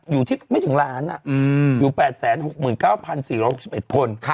อยู่ที่ไม่ถึงล้านอยู่๘๖๙๔๖๑คน